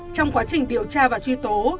trong quá trình điều tra và truy tố